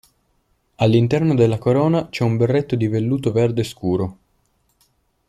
All'interno della corona c'è un berretto di velluto verde scuro.